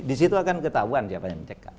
di situ akan ketahuan siapa yang mencekam